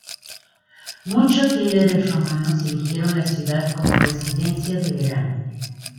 Muchos líderes romanos eligieron la ciudad como residencia de verano.